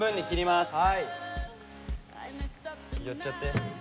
寄っちゃって。